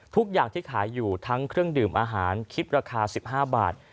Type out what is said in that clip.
ทุกอย่างที่ขายอยู่ทั้งเครื่องดื่มอาหารคิดราคา๑๕บาท